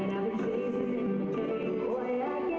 สวัสดีครับ